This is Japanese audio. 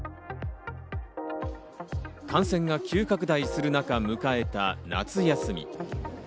感染が急拡大する中、迎えた夏休み。